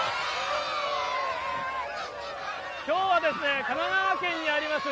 きょうは、神奈川県にあります